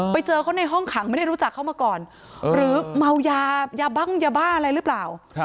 ไปเจอเขาในห้องขังไม่ได้รู้จักเขามาก่อนหรือเมายายาบั้งยาบ้าอะไรหรือเปล่า